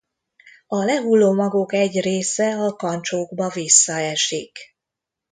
A lehulló magok egy része a kancsókba visszaesik.